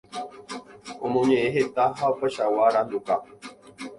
Omoñeʼẽ heta ha opaichagua aranduka.